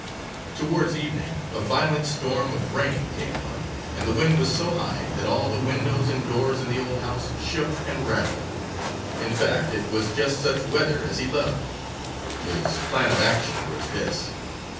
Towards evening a violent storm of rain came on, and the wind was so high that all the windows and doors in the old house shook and rattled. In fact, it was just such weather as he loved. His plan of action was this.